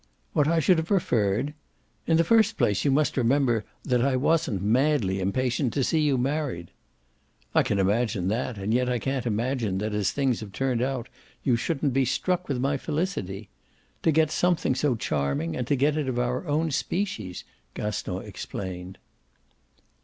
"What I should have preferred? In the first place you must remember that I wasn't madly impatient to see you married." "I can imagine that, and yet I can't imagine that as things have turned out you shouldn't be struck with my felicity. To get something so charming and to get it of our own species!" Gaston explained.